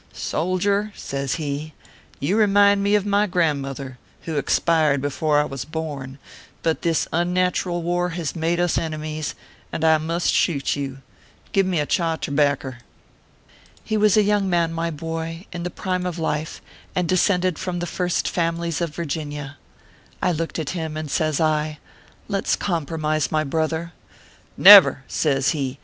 " Soldier/ says he, " you remind me of my grand mother, who expired before I was born ; but this un natural war has made us enemies, and I must shoot you. Give me a chaw terbacker." He was a young man, my boy, in the prime of life, and descended from the First Families of Virginia. I looked at him, and says I :" Let s compromise, my brother." " Never !" says he.